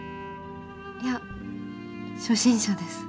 いや初心者です。